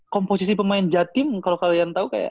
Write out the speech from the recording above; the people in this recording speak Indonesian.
komposisi pemain jatim kalo kalian tau kayak